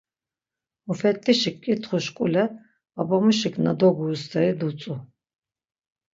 Mufet̆t̆işik ǩitxuşkule babamuşik na doguru steri dutzu.